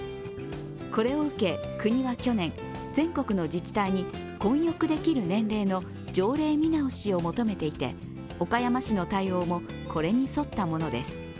これを受け国は去年、全国の自治体に混浴できる年齢の条例見直しを求めていて岡山市の対応もこれに沿ったものです。